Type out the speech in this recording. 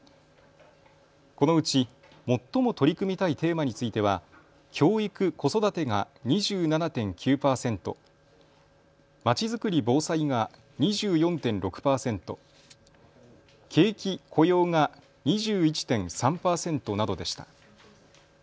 このうち最も取り組みたいテーマについては教育・子育てが２７．９％、まちづくり・防災が２４．６％、景気・雇用が２１．３％などでした。